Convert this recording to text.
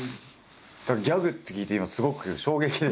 だからギャグって聞いて今すごく衝撃です。